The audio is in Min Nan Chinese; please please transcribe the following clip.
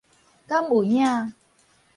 敢有影